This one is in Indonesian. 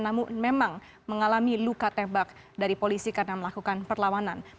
namun memang mengalami luka tembak dari polisi karena melakukan perlawanan